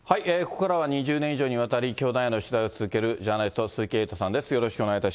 ここからは２０年以上にわたり、教団への取材を続けるジャーナリスト、鈴木エイトさんです。